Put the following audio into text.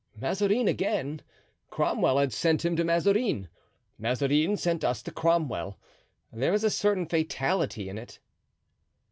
"Mazarin again. Cromwell had sent him to Mazarin. Mazarin sent us to Cromwell. There is a certain fatality in it."